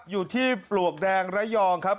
อยู่ที่ปลวกแดงระยองครับ